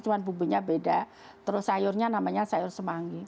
cuma bumbunya beda terus sayurnya namanya sayur semanggi